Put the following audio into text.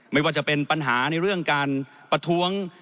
ไม่ว่าจะเป็นปัญหาในเรื่องการประท้วง